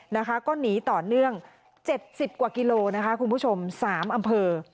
นะคะก็หนีต่อเนื่อง๗๐กว่ากิโลนะคะคุณผู้ชม๓อำเภอ